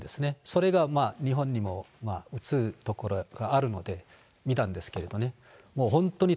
それが日本にも映る所があるので、見たんですけれどね。